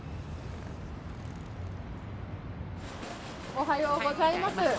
おはようございます。